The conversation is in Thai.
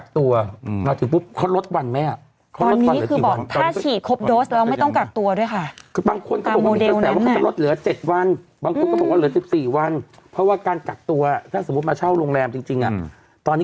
ต้นต้นต้นปีแล้วนะใช่